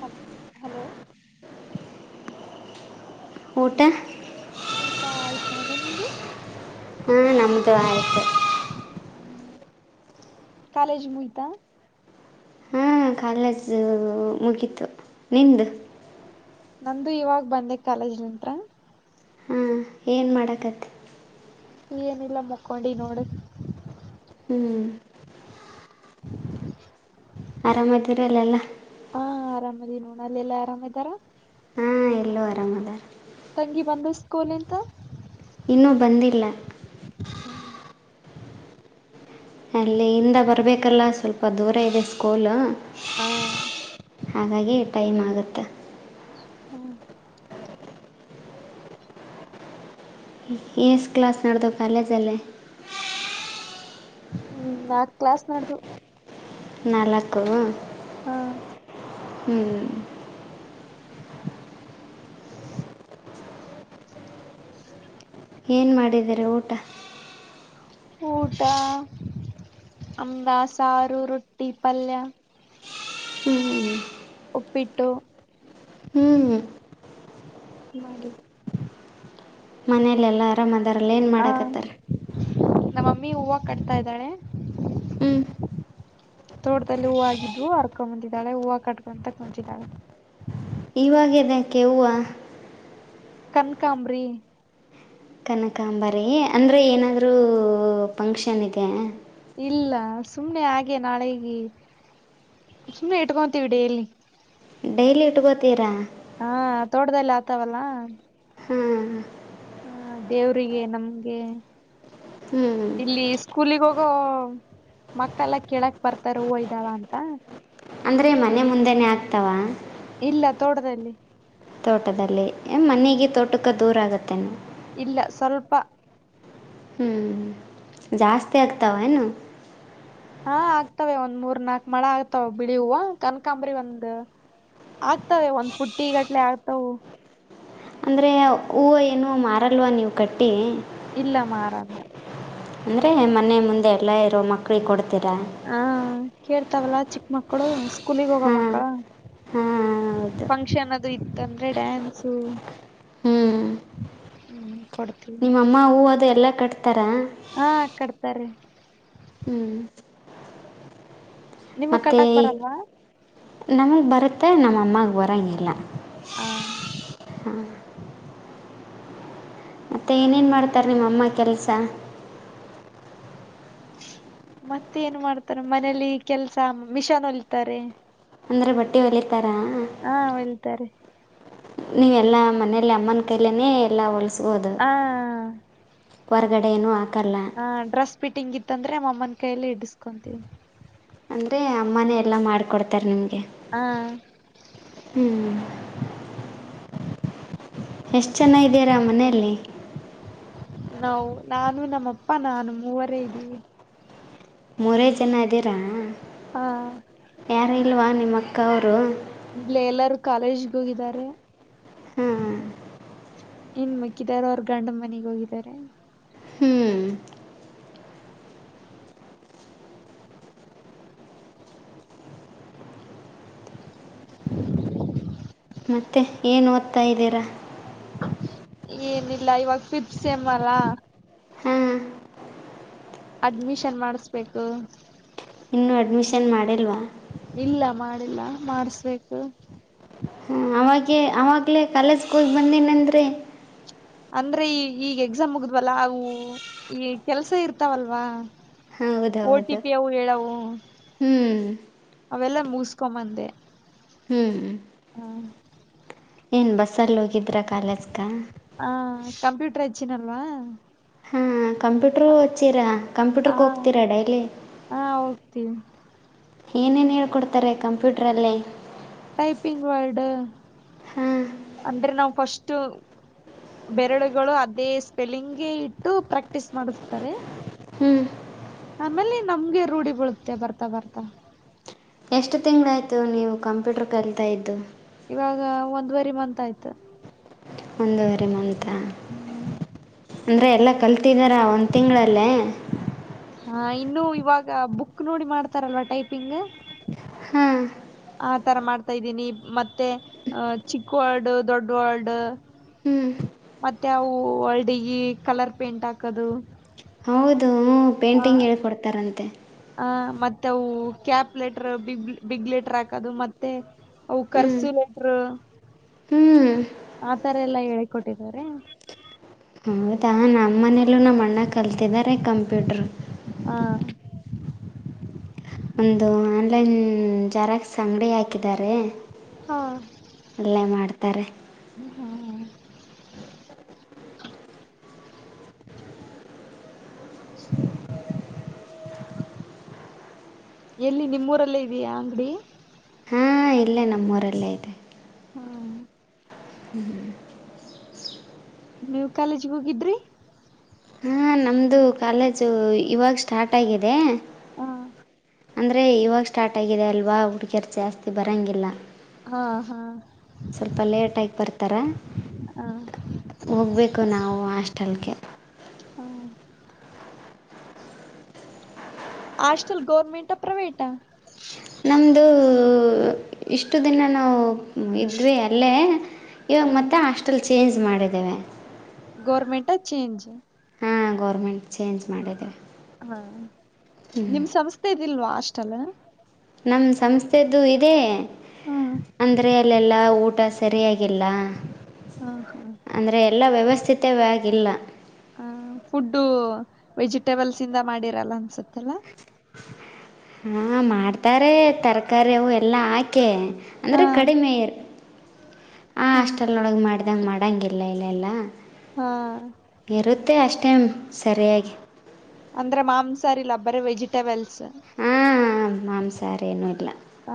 ಹ ಹಲೋ ಊಟ ಊಟ ಆಯ್ತ [unintelligible] ನಿಮ್ದು ಹು ನಮ್ಮದು ಆಯ್ತು [inaudible] ಕಾಲೇಜ್ ಮುಗಿತಾ ಹ ಕಾಲೇಜು ಮುಗೀತು ನಿಂದು ನಂದು ಇವಾಗ ಬಂದೆ ಕಾಲೇಜ್ ಹತ್ರ ಏನ್ ಮಾಡಕತ್ತೆ ಏನಿಲ್ಲ ಮುಕ್ಕೊಂಡಿ ನೋಡ ಹ್ಮ್ ಆರಾಮ್ ಇದೀರ ಎಲ್ಲ ಹಾ ಆರಾಮದಿ ನೋಡ ಅಲ್ಲಿಲ್ಲಾ ಆರಾಮ್ ಇದ್ದಾರ ಎಲ್ಲ ಆರಮ ಮುಂದ ತಂಗಿ ಬಂದ ಸ್ಕೋಲ್ ಇಂದ ಇನ್ನೂ ಬಂದಿಲ್ಲ ಹ ಅಲ್ಲಿಯಂದ ಬರಬೇಕಲ್ಲ ಸ್ವಲ್ಪ ದೂರ ಇದೆ ಸ್ಕೂಲು ಹಾ ಹಾಗಾಗಿ ಟೈಮ್ ಆಗುತ್ತೆ ಹ್ಮ ಇಸ್ ಕ್ಲಾಸ್ ನಡೆದ ಕಲೇಜ ಅಲ್ಲೇ ಹ್ಮ್ ನಾಕ್ ಕ್ಲಾಸ್ ನಡ್ದ ನಾಲ್ಕು ಹಾ ಹ್ಮ್ ಏನು ಮಾಡಿದ್ದೀರ ಊಟ ಊಟ ಅಂಬ ಸಾರು ರೊಟ್ಟಿ ಪಲ್ಯ ಹ್ಮ್ ಒಪ್ಪಿಟ್ಟು ಹ್ಮ್ ಹ್ಮ್ ಮಾಡಿ ಮನೇಲೆೆಲ್ಲಾ ಆರಾಮ್ ಅದಾರಲ್ಲ ಏನ್ ಹ ಮಾಡಾಕತ್ತಾರ ನಮ್ಮಮ್ಮಿ ಹೂವ ಕಟ್ತಾ ಇದ್ದಾಳೆ ಹ್ಞೂ ತೋಟದಲ್ಲಿ ಹೂ ಆಗಿದ್ವು ಅರ್ಕೊಂಬಂದಿದ್ದಾಳೆ ಹೂವು ಕಟ್ಕೊಂತ ಕುಂಂತಿದ್ದಾಳೆ ಇವಾಗದಕ್ಕೆ ಹೂವು ಕನಕಾಂಬ್ರಿ ಕನಕಾಂಬಾರಿ ಅಂದರೆ ಏನಾದರೂ ಫಂಕ್ಷನ್ ಇದೆ ಇಲ್ಲ ಸುಮ್ಮ್ನೆ ಹಾಗೆ ನಾಳೆಗೆ ಸುಮ್ನೆ ಇಟ್ಕೊಂತೀವಿ ಡ ಎಲ್ಲಿ ಡೈಲಿ ಇಟ್ಕೋತೀರಾ ಹಾ ತೋಟದಲ್ಲಿ ಆತಾವಲ್ಲ ಹ್ಮ್ ಹಾ ದೇವ್ರಿಗೆ ನಮ್ಗೆ ಹ್ಞೂ ಇಲ್ಲಿ ಸ್ಕೂಲಿಗ ಹೋಗೋ ಮಕ್ಕಲ್ಲ ಕೇಳಕ್ ಬರ್ತಾರ ಹೂ ಇದ್ದಾವ ಅಂತ ಅಂದ್ರೆ ಮನೆ ಮುಂದೆನೆೇ ಆಗ್ತಾವ ಇಲ್ಲ ತೋಟದಲ್ಲಿ ತೋಟದಲ್ಲಿ ಹ್ಮ್ ಮನೆಗೆ ತೋಟಕ್ಕೆ ದೂರ ಆಗುತ್ತೆನ್ ಇಲ್ಲ ಸ್ವಲ್ಪ ಹ್ಞೂ ಜಾಸ್ತಿ ಆಗ್ತಾವ ಏನು ಹಾ ಆಗ್ತಾವ ಒಂದ್ ಮೂರ್ ನಾಲ್ಕ್ ಮಳ ಆಗ್ತಾವ ಬಿಳಿ ಹೂ ಕನಕಾಂಬ್ರಿ ಒಂದ್ ಆಗ್ತಾವ ಒಂದ್ ಪುಟ್ಟಿ ಗಟ್ಲೆ ಆಗ್ತವು ಅಂದರೆ ಹೂವು ಏನು ಮಾರಲ್ವ ನೀವು ಕಟ್ಟಿ ಇಲ್ಲ ಮಾರಲ್ಲ ಅಂದರೆ ಮನೆ ಮುಂದೆ ಎಲ್ಲ ಇರೋ ಮಕ್ಕಳಿಗೆ ಕೊಡ್ತೀರಾ ಹಾ ಕೇಳ್ತಾವಲ್ಲಾ ಚಿಕ್ಕ ಮಕ್ಕಳು ಸ್ಕೂಲಗ್ ಹೋಗ ಹಾಂ ಮಕ್ಕಳ ಹಾಂ ಹೌದು ಫಂಕ್ಷನ್ ಅದು ಇತ್ತಂದ್ರೆ ಡ್ಯಾನ್ಸು ಹ್ಞೂ ಹ್ಮ್ ಕೊಡ್ತೀವಿ ನಿಮ್ಮಮ್ಮ ಹೂ ಅದು ಎಲ್ಲಾ ಕಟ್ತಾರ ಹಾ ಕಡ್ತಾರೀ ಹ್ಮ್ ನಿಮಗ್ ಮತ್ತೆ ಕಟ್ಟಕ್ ಬರಲ್ವಾ ನಮಗ್ ಬರುತ್ತೆ ನಮ್ಮಅಮ್ಮಾಗ ಬರಂಗಗೆಲ್ಲ ಹಾ ಹ್ಮ ಮತ್ತೆ ಏನೇನು ಮಾಡ್ತಾರೆ ನಿಮ್ಮಮ್ಮ ಕೆಲಸ ಮತ್ತೆ ಏನ್ ಮಾಡ್ತಾರೆ ಮನೇಲಿ ಕೆಲ್ಸ ಮಿಷನ್ ಹೊಲ್ತಾರೆ ಅಂದ್ರೆ ಬಟ್ಟೆ ಹೊಲತಾರ ಹಾ ಹಲ್ತಾರೆ ನೀವೆಲ್ಲಾ ಮನಲಿ ಅಮ್ಮನ ಕೈಲನೆ ಎಲ್ಲ ಹೊಲಸ್ಬೋದು ಹ ಹೊರ ಹೊಗಡೆಯನುೂ ಹಾಕಲ್ಲ ಹಾ ಡ್ರೆಸ್ ಫಿಂಗ್ ಇತ್ತ ಅಂದ್ರೆ ನಮ್ಮನ ಕೈಯಲ್ಲಿ ಇಡಸ್ಕೊಂತೀವಿ ಅಂದ್ರೆ ಅಮ್ಮನೇ ಎಲ್ಲ ಮಾಡಕೊಡ್ತಾರೆ ನಿಮಗೆ ಹಾ ಹ್ಮ್ [inaudible] ಎಷ್ಟು ಜನ ಇದ್ದೀರಾ ಮನೆಯಲ್ಲಿ. ನಾವು ನಾನು ನಮ್ಮಪ್ಪ ನಾನು ಮೂವರೇ ಇದೀವಿ. ಮೂರೇ ಜನ ಇದ್ದೀರಾ. ಹಾ ಯಾರು ಇಲ್ವಾ ನಿಮ್ಮ ಅಕ್ಕ ಅವ್ರು ಇಲ್ಲ ಎಲ್ಲಾರೂ ಕಾಲೇಜ್ಗ ಹೋಗಿದ್ದಾರೆ. ಹಾಂ ಇನ್ ಮಿಕ್ಕಿದವರು ಅವರು ಗಂಡನ್ ಮನೆಗ್ ಹೋಗಿದ್ದಾರೆ. ಹ್ಞೂ ಮತ್ತೆ ಏನು ಓದ್ತಾ ಇದ್ದೀರಾ. ಏನಿಲ್ಲ ಇವಾಗ ಪಿಪ್ತ ಸೇಮ್ ಅಲ್ಲಾ ಹಾಂ ಅಡ್ಮಿಷನ್ ಮಾಡಿಸ್ಬೇಕು. ಇನ್ನೂ ಅಡ್ಮಿಷನ್ ಮಾಡಿಲ್ವಾ. ಇಲ್ಲ ಮಾಡಿಲ್ಲ ಮಾಡಸ್ಬೇಕು. ಆವಾಗೆ ಆವಾಗ್ಲೇ ಕಾಲೇಜ್ ಹೋಗಿ ಬಂದೆನಂದ್ರಿ. ಅಂದ್ರೆ ಈ ಈಗ ಎಕ್ಸಾಮ್ ಮುಗಿದ್ವಲ್ಲ ಅವು ಈ ಕೆಲ್ಸ ಇರ್ತಾವಲ್ವಾ ಓ ಟಿ ಹೌದೌದು ಪಿ ಅವು ಹೇಳವು ಹ್ಞೂ ಅವೆಲ್ಲ ಮುಗಿಸ್ಕೊಂಬಂದೆ. ಹ್ಮ್ ಹಾ ಏನ್ ಬಸ್ಸಲ್ಲಿ ಹೋಗಿದ್ರಾ ಕಾಲೇಜ್ಕ ಹ ಕಂಪ್ಯೂಟರ್ ಹಚ್ಚಿನಲ್ವಾ ಹಾ ಕಂಪ್ಯೂಟರು ಹಚ್ಚಿರಾ ಹ ಕಂಪ್ಯೂಟ್ರಕ್ ಹೋಗ್ತೀರಾ ಡೈಲಿ. ಹಾ ಹೋಗ್ತೀನಿ. ಏನೇನ್ ಹೇಳ್ಕೊಡ್ತಾರೆ ಕಂಪ್ಯೂಟ್ರಲ್ಲಿೇ. ಟೈಪಿಂಗ್ ವರ್ಡ್ ಹಾಂ ಅಂದ್ರೆ ನಾವು ಫಸ್ಟ್ ಬೆರಳುಗಳು ಅದೇ ಸ್ಪೆಲ್ಲಿಂಗ್ಗೆ ಇಟ್ಟು ಪ್ರಾಕ್ಟೀಸ್ ಮಾಡಿಸ್ತಾರೆ. ಹ್ಞೂ ಆಮೇಲೆ ನಮ್ಗೆ ರೂಢಿ ಬೀಳುತ್ತೆ ಬರ್ತಾ ಬರ್ತಾ. ಎಷ್ಟು ತಿಂಗ್ಗಳಾಯ್ತು ನೀವು ಕಂಪ್ಯೂಟರ್ ಕಲ್ತಾ ಇದ್ದು. ಇವಾಗ ಒಂದು ವರಿ ಮಂತ ಆಯ್ತು. ಒಂದೂವರೆ ಮಂತಾ ಹ್ಮ್ ಅಂದ್ರೆ ಎಲ್ಲ ಕಲ್ತಿದ್ದಾರ ಒಂದು ತಿಂಗಳಲ್ಲೇ. ಹಾ ಇನ್ನು ಇವಾಗ ಬುಕ್ ನೋಡಿ ಮಾಡ್ತಾರಲ್ವಾ ಟೈಪಿಂಗ್. ಹಾಂ ಆ ತರ ಮಾಡ್ತಾ ಇದ್ದೀನಿ ಮತ್ತೆ ಅ ಚಿಕ್ಕವರ್ಡ್ ದೊಡ್ ವಲ್ಡ್. ಹ್ಞೂ ಮತ್ತೆ ಅವು ವರ್ಡಿಗಿ ಕಲರ್ ಪೇಂಟ್ ಹಾಕದು. ಹೌದು ಹೂ ಪೇಂಟಿಂಗ್ ಹೇಳ್ಕೊಡ್ತಾರಂತೆ. ಹಾ ಮತ್ತೆ ಅವು cap letter big big letter ಹಾಕದು ಮತ್ತೆ ಅವು ಹ್ಞೂ ಕರ್ಸು ಲೆಟ್ರು ಹ್ಞೂ ಆತರ ಎಲ್ಲಾ ಹೇಳಿ ಕೊಟ್ಟಿದಾರೆ. ಹೌದಾ ನಾ ಮ್ಮನೆಲ್ಲೂ ನಮ್ಮ ಅಣ್ಣ ಕಲ್ತಿದ್ದಾರೆ ಕಂಪ್ಯೂಟ್ರು. ಹಾ ಒಂದು ಆನ್ಲೈನ್ ಜರಾಕ್ಸ್ ಅಂಗಡಿ ಹಾಕಿದ್ದಾರೆ. ಹಾ ಅಲ್ಲೇ ಮಾಡ್ತಾರೆ ಹಾ ಎಲ್ಲಿ ನಿಮ್ಮೂರಲ್ಲೇ ಇದೆಯ ಅಂಗಡಿ. ಹಾ ಇಲ್ಲೇ ನಮ್ಮೂರಲ್ಲೇ ಇದೆ. ಹ್ಮ ಹ್ಮ್ ನೀವ್ ಕಾಲೇಜ್ ಹೋಗಿದ್ರಿ. ಹಾ ನಮ್ದು ಕಾಲೇಜು ಇವಾಗ ಸ್ಟಾರ್ಟ್ ಆಗಿದೆ ಹ ಅಂದರೆ ಇವಾಗ ಸ್ಟಾರ್ಟ ಆಗಿದೆ ಅಲ್ವಾ ಹುಡುಗ್ಯರ್ ಜಾಸ್ತಿ ಬರೋಂಗಿಲ್ಲ ಹಾ ಹಾ [inaudible] ಸ್ವಲ್ಪ ಲೇಟಾಗಿ ಬರ್ತಾರ ಹ ಹೋಗ್ಬೇಕು ನಾವು ಹಾಸ್ಟೆಲ್ಗೆ ಹ್ಮ [inaudible] ಹಾಸ್ಟೆಲ್ ಗೌರ್ಮೆಂಟ್ ಪ್ರೈವೇಟಾ ನಮ್ಮದು ಇಷ್ಟು ದಿನ ನಾವು ಇದ್ವಿ ಅಲ್ಲೇ ಇವಾಗ ಹ ಮತ್ತೆ ಹಾಸ್ಟೆಲ್ ಚೇಂಜ್ ಮಾಡಿದ್ದೇವೆ ಗೋರ್ಮೆಂಟ ಚೇಂಜ್ ಹಾಂ ಗೌರ್ಮೆಂಟ್ ಚೇಂಜ್ ಮಾಡಿದ್ದೇವೆ ಹಾ ನಿಮ್ ಸಂಸ್ಥೆ ಇದಿಲ್ವಾ ಅಷ್ಟಲ್ಲ ನಮ್ಮ ಸಂಸ್ಥೆದು ಇದೆ ಹಾ ಅಂದರೆ ಅಲ್ಲೆಲ್ಲ ಊಟ ಸರಿಯಾಗಿಲ್ಲ ಹಾ ಹಾ ಅಂದರೆ ಎಲ್ಲ ವ್ಯವಸ್ಥಿತವಾಗಿಗಲ್ಲ ಹ ಫುಡ್ಡು ವೆಜಿಟೇಬಲ್ಸ್ ಇಂದ ಮಾಡಿರಲ್ಲ ಅನ್ಸತ್ತೆಲ್ಲ ಹಾ ಮಾಡ್ತಾರೆ ತರಕಾರಿ ಅವು ಎಲ್ಲ ಹಾಕೆ ಹಾ ಅಂದ್ರೆ ಕಡಿಮೆ ಇರು ಆಂ ಹಾ ಅಷ್ಟಲ್ಲೊಳಗೆ ಮಾಡ್ದಂಗೆ ಮಾಡಂಗಿಲ್ಲ ಇಲ್ಲಲ್ಲ ಹಾ ಇರುತ್ತೆ ಅಷ್ಟೇ ಸರಿಯಾಗಿ ಅಂದ್ರೆ ಮಾಂಸಾರಿಲ್ಲ ಬರ ವೆಜಿಟಬಲ್ಸ್ ಹಂ ಮಾಂಸಾರೇನುೂ ಇಲ್ಲ ಹ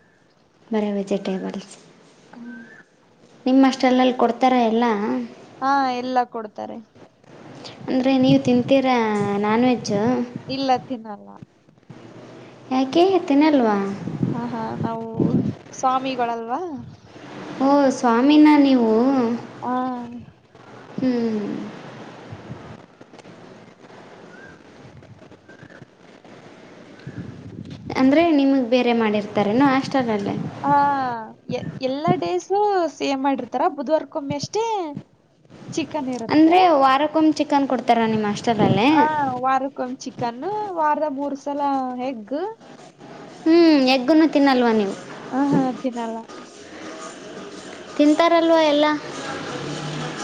[inaudible] ಬರ ವೆಜಿಟೇಬಲ್ಸ್ ಹ ನಿಮ್ಮ ಅಷ್ಟಲ್ಲಲ್ಲಿ ಕೊಡ್ತಾರೆ ಎಲ್ಲ ಹಾ ಎಲ್ಲ ಕೊಡ್ತಾರೆ ಅಂದ್ರೆ ನೀವು ತಿಂತೀರಾ ನಾನ್ ವೆಜ್ಜ್ ಇಲ್ಲ ತಿನ್ನಲ್ಲ ಯಾಕ ತಿನ್ನಲ್ವಾ ಹಾ ಹಾ ನಾವು ಸ್ವಾಮಿಗಳಲ್ವಾ ಓಹ ಸ್ವಾಮಿನ ನೀವು ಹಾ ಹ್ಮ್ ಅಂದರೆ ನಿಮಗೆ ಬೇರೆ ಮಾಡಿರ್ತಾರೇನೋ ಆಸ್ಟಲಲ್ಲೇ ಹಾ ಎ ಎಲ್ಲಾ ಡೇಸು ಸೇವ್ ಮಾಡಿರ್ತಾರ ಬುಧವಾರಕ್ಕೊಮ್ಮೆ ಅಷ್ಟೇ ಚಿಕನ್ ಇರುತ್ತೆ ಅಂದ್ರೆ ವಾರಕ್ಕೊಮ್ಮ್ ಚಿಕನ್ ಕೊಡ್ತಾರ ನಿಮಮ್ಮ ಹ ವಾರಕ್ಕೊಂದು ಚಿಕನ್ ವಾರದ ಮೂರ್ ಸಲ ಎಗ್ ಹ್ಞ ಎಗ್ುನ್ನು ತಿನ್ನಲ್ವಾ ನೀವು ಹ ಹಾ ತಿೀಿನಲ್ಲ ತಿಂತಾರಲ್ವ ಎಲ್ಲ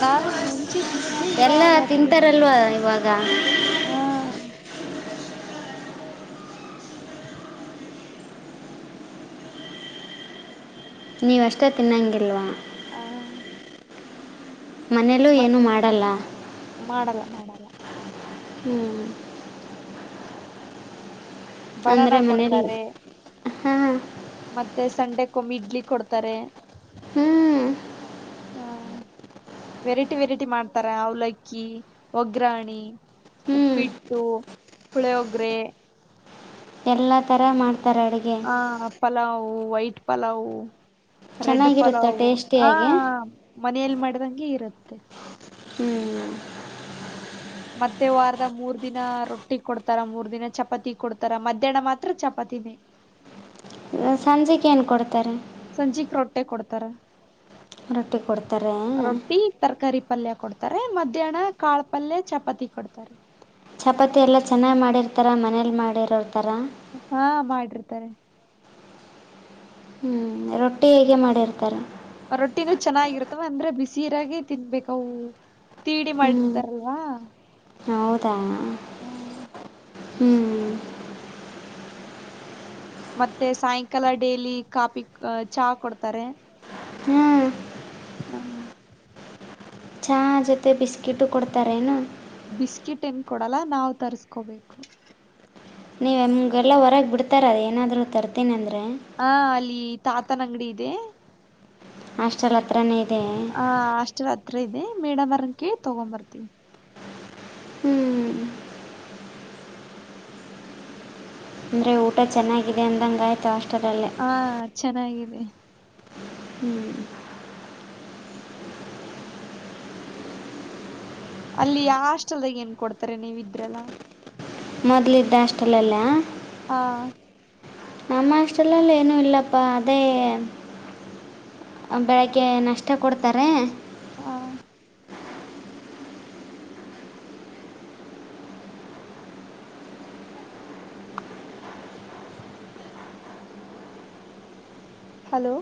ನಾನು ಮುಂಚೆ ತಿಂತಿದ್ದೆ ಎಲ್ಲ ಇವಾಗ ತಿನ್ನಲ್ಲ ತಿಂತಾರಲ್ವ [unintelligible] ಹ ನೀವುಷ್ಟೇ ತಿನ್ನೊಂಗಲ್ವಾ ಹಾ ಮನೇಲೂ ಏನು ಮಾಡಲ್ಲ ಮಾಡಲ್ಲ ಮಾಡಲ್ಲ ಹ್ಮ್ ಬನಾನ ಅಂದ್ರೆ ಮನೇೆಯಲ್ಲಿ ಕೊಡ್ತಾರೆ ಹಾ ಮತ್ತೆ ಸಂಡೆ ಕಮ್ಮಿ ಇಡ್ಲಿ ಕೊಡ್ತಾರೆ ಹ್ಮ್ ಹಾ ವೆರೈಟಿ ವೆರೈಟಿ ಮಾಡ್ತಾರ ಅವಲಕ್ಕಿ ಒಗ್ಗ್ರಾಣಿ ಹ್ಞೂ ಉಪ್ಪಿಟ್ಟು ಪುಳಿಯೋಗ್ರೆ. ಎಲ್ಲ ತರ ಮಾಡ್ತಾರೆ ಅಡ್ಗೆ. ಹ ಪಲಾವು ವೈಟ್ ಪಲಾವು ರೆಡ್ ಚೆನ್ನಾಗಿರುತ್ತೆ ಪಲಾವು ಹ ಟೇಸ್ಟಿಯಾಗಿ ಹ ಮನೆಯಲ್ಲಿ ಮಾಡ್ದಂಗೆ ಇರುತ್ತೆ. ಹ್ಮ್ ಮತ್ತೆ ವಾರದ ಮೂರ್ ದಿನ ರೊಟ್ಟಿ ಕೊಡ್ತಾರ ಮೂರ್ ದಿನ ಚಪಾತಿ ಕೊಡ್ತಾರ ಮಧ್ಯಾಹ್ನ ಮಾತ್ರ ಚಪಾತಿನೇ. ಸಂಜೆಗೆ ಏನು ಕೊಡ್ತಾರೆ? ಸಂಜಿಕ್ ರೊಟ್ಟೆ ಕೊಡ್ತಾರೆ. ರೊಟ್ಟಿ ಕೊಡ್ತಾರೆ? ರೊಟ್ಟಿ ತರಕಾರಿ ಪಲ್ಯ ಕೊಡ್ತಾರೆ, ಮಧ್ಯಾಹ್ನ ಕಾಳ್ ಪಲ್ಯ ಚಪಾತಿ ಕೊಡ್ತಾರೆ. ಚಪಾತಿ ಎಲ್ಲ ಚೆನ್ನಾಗ್ ಮಾಡಿರ್ತಾರ ಮನೇಲಿ ಮಾಡಿರೊ ತರ? ಹಾ ಮಾಡಿರ್ತಾರೆ. ಹ್ಞೂ ರೊಟ್ಟಿ ಹೇಗೆ ಮಾಡಿರ್ತಾರೆ? ರೊಟ್ಟಿನೂ ಚೆನ್ನಾಗಿರುತ್ತವೆ ಅಂದ್ರೆ ಬಿಸಿಯಿರಾಗೆ ತಿನ್ಬೇಕವು. ತೀಡಿ ಹ್ಞೂ ಮಾಡಿರ್ತಾರಲ್ವಾ ಹ. ಹ್ಮ್ ಮತ್ತೆ ಸಾಯಂಕಾಲ ಡೇಲಿ ಕಾಫಿ ಚಹ ಕೊಡ್ತಾರೆ. ಹ್ಮ್ ಹ್ಮ ಚಹ ಜೊತೆ ಬಿಸ್ಕಿಟು ಕೊಡ್ತಾರೆೇನು? ಬಿಸ್ಕಿಟ್ ಏನ್ ಕೊಡಲ್ಲ ನಾವು ತರ್ಸ್ಕೋಬೇಕು. ನೀವು ನಿಮ್ಗೆಲ್ಲ ಹೊರಗೆ ಬಿಡ್ತಾರ ಏನಾದ್ರೂ ತರ್ತೀನಿ ಅಂದ್ರೆ? ಹ ಅಲ್ಲಿ ತಾತನಂಗಡಿ ಇದೆ. ಹಾಸ್ಟೆಲ್ ಹತ್ರಾನೇ ಇದೆ? ಆ ಹಾಸ್ಟೆಲ್ ಹತ್ರ ಇದೆ ಮೇಡಂಮೊರನ್ ಕೇಳ್ ತಗೊಂಬರ್ತೀವ್. ಹ್ಮ್ ಅಂದ್ರೆ ಊಟ ಚೆನ್ನಾಗಿದೆ ಅಂದಂಗಾಯ್ತು ಹಾಸ್ಟೆಲಲ್ಲಿ. ಹಾ ಚೆನ್ನಾಗಿದೆ. ಹ್ಮ್ ಅಲ್ಲಿ ಆ ಹಾಸ್ಟೆಲ್ದಾಗ ಏನ್ ಕೊಡ್ತಾರೆ ನೀವ್ ಇದ್ರಲ್ಲ? ಮೊದಲಿದ್ದ್ ಹಾಷ್ಟೆಲ್ಲಲ್ಲ? ಹಾ ನಮ್ಮ್ ಹಾಷ್ಟಲಲ್ಲ್ ಏನೂ ಇಲ್ಲಪ್ಪಾ ಅದೇ ಬೆಳಗ್ಗೆ ನಾಷ್ಟ ಕೊಡ್ತಾರೆ. ಹಾ ಹಲೋ